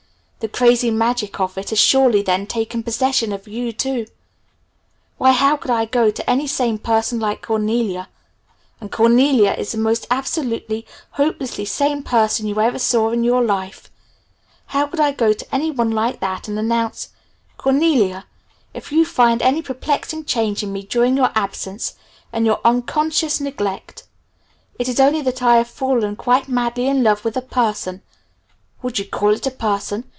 "The crazy magic of it has surely then taken possession of you too. Why how could I go to any sane person like Cornelia and Cornelia is the most absolutely, hopelessly sane person you ever saw in your life how could I go to anyone like that, and announce: 'Cornelia, if you find any perplexing change in me during your absence and your unconscious neglect it is only that I have fallen quite madly in love with a person' would you call it a person?